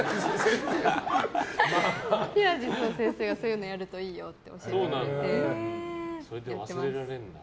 ピラティスの先生がそういうのやるといいよと教えてくれて、やってます。